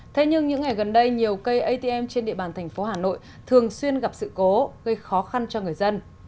thế nhưng những ngày gần đây nhiều cây atm trên địa bàn thành phố hà nội thường xuyên gặp sự cố gây khó khăn cho người dân